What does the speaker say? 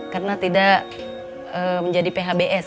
karena tidak menjadi phbs